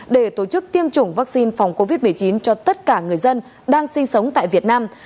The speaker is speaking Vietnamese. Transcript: để tổ chức tiêm chủng vaccine phòng covid một mươi chín cho tất cả người dân đang sinh sống tại việt nam